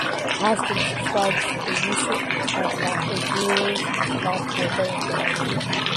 Hastings describes a recent theft from a jeweller's shop window in Bond Street.